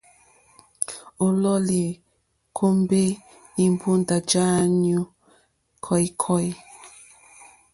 O lɔ̀u li kombɛ imbunda ja anyu kɔ̀ikɔ̀i.